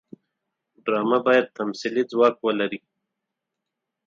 ډرامه باید تمثیلي ځواک ولري